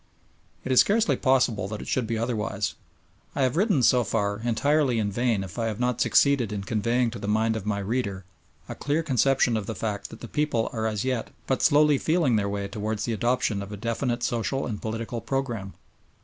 It is scarcely possible that it should be otherwise. I have written, so far, entirely in vain if I have not succeeded in conveying to the mind of my reader a clear conception of the fact that the people are as yet but slowly feeling their way towards the adoption of a definite social and political programme.